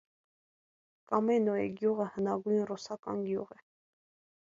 Կամեննոե գյուղը հնագույն ռուսական գյուղ է։